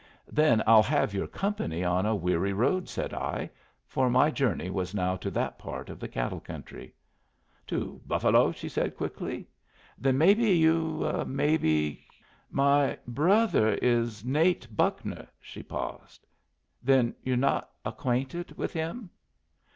"Then I'll have your company on a weary road," said I; for my journey was now to that part of the cattle country. "To Buffalo?" she said, quickly. "Then maybe you maybe My brother is Nate Buckner." She paused. "Then you're not acquainted with him?"